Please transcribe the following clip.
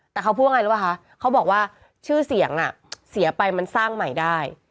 แต่เขาพูดว่าไงรู้ป่ะคะเขาบอกว่าชื่อเสียงเสียไปมันสร้างใหม่ได้